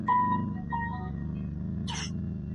مکناتن د افغانانو د ځواک په وړاندې حیران شو.